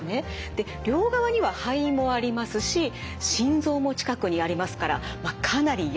で両側には肺もありますし心臓も近くにありますからかなりやっかいということなんです。